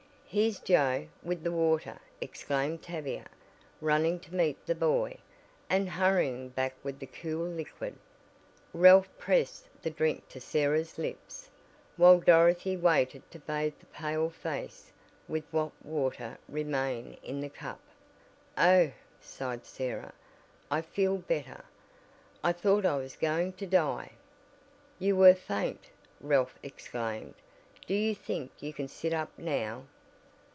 "Here's Joe, with the water," exclaimed Tavia, running to meet the boy, and hurrying back with the cool liquid. Ralph pressed the drink to Sarah's lips, while Dorothy waited to bathe the pale face with what water might remain in the cup. "Oh!" sighed Sarah. "I feel better. I thought I was going to die." "You were faint," Ralph exclaimed. "Do you think you can sit up now?"